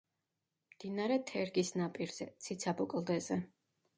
მდინარე თერგის ნაპირზე, ციცაბო კლდეზე.